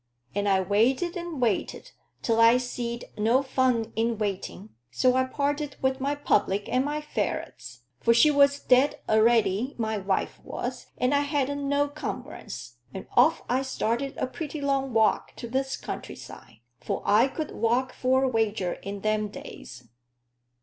And I waited and waited, till I see'd no fun i' waiting. So I parted with my public and my ferrets for she was dead a' ready, my wife was, and I hadn't no cumbrance. And off I started a pretty long walk to this country side, for I could walk for a wager in them days."